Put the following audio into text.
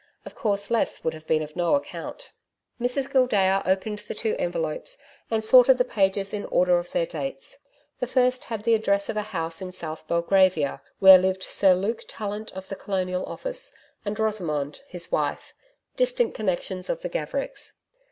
Of course, less would have been of no account. Mrs Gildea opened the two envelopes and sorted the pages in order of their dates. The first had the address of a house in South Belgravia, where lived Sir Luke Tallant of the Colonial Office and Rosamond his wife distant connections of the Gavericks.